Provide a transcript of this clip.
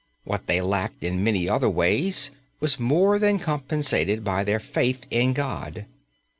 What they lacked in many other ways was more than compensated by their faith in God.